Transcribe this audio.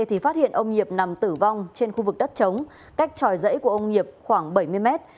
thì phát hiện ông nhịp nằm tử vong trên khu vực đất trống cách tròi rễ của ông nhịp khoảng bảy mươi mét